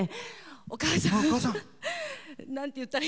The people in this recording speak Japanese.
お母さん、なんて言ったら。